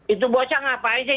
itu bocah ngapain sih